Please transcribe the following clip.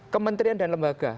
kementerian dan lembaga